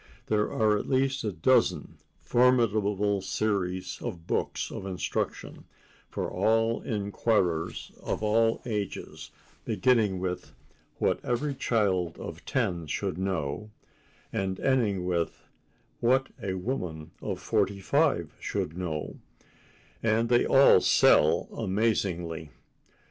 There are at least a dozen formidable series of books of instruction for inquirers of all ages, beginning with "What Every Child of Ten Should Know" and ending with "What a Woman of Forty five Should Know," and they all sell amazingly.